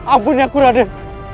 ampuni aku raden